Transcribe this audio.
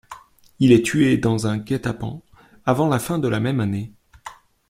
Il est tué dans un guet-apens avant la fin de la même année.